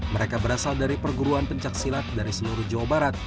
mereka berasal dari perguruan pencaksilat dari seluruh jawa barat